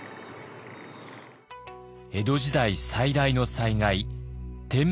江戸時代最大の災害